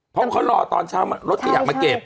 เพราะเขาเป็นรถขยับวันเช้ามาเก็บ